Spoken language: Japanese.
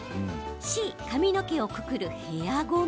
Ｃ・髪の毛をくくるヘアゴム。